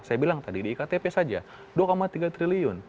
saya bilang tadi di iktp saja dua tiga triliun